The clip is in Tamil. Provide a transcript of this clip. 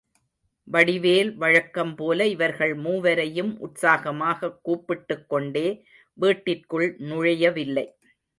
வடிவேல் வழக்கம் போல இவர்கள் மூவரையும் உற்சாகமாகக் கூப்பிட்டுக்கொண்டே வீட்டிற்குள் நுழையவில்லை.